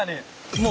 もう。